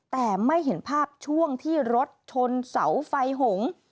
แต่ไม่เห็นภาพช่วงที่รถชนเสาไฟหง